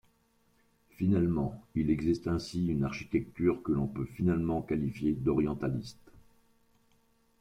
Finalement, il existe ainsi une architecture que l’on peut finalement qualifier d’orientaliste.